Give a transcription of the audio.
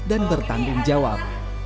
dan bertanggung jawab